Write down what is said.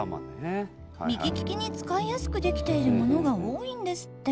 右利きに使いやすくできているものが多いんですって。